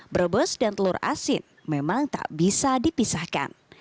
brebes dan telur asin memang tak bisa dipisahkan